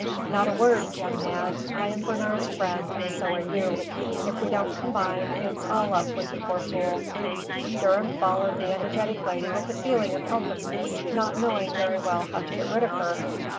Not a word, young man. I am Bernard's friend and so are you. If we don't combine it's all up with the poor fool." Durham followed the energetic lady with a feeling of helplessness, not knowing very well how to get rid of her.